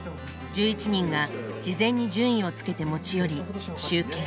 １１人が事前に順位をつけて持ち寄り集計。